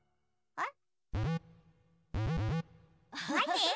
えっ？